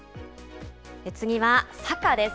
次はサッカーです。